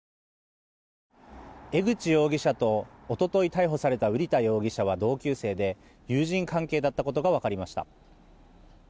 江口容疑者と一昨日、逮捕された瓜田容疑者は同級生で、友人関係だったことが分かりました。